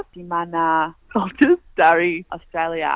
di mana waktu dari australia